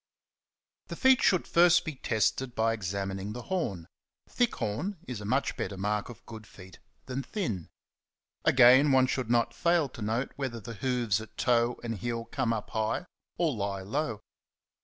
The feet should first be tested by exam ining the horn ; thick horn '^ is a much better CHAPTER I. 15 mark of good feet than thin. Again, one should not fail to note whether the hoofs at toe and heel come up high or lie low.